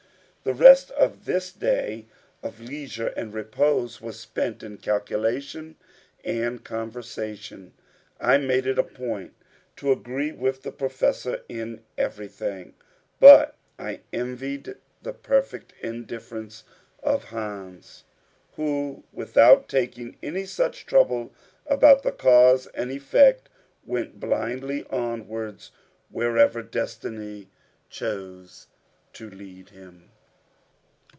The rest of this day of leisure and repose was spent in calculation and conversation. I made it a point to agree with the Professor in everything; but I envied the perfect indifference of Hans, who, without taking any such trouble about the cause and effect, went blindly onwards wherever destiny chose to lead him.